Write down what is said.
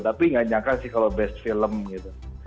tapi nggak nyangka sih kalau best film gitu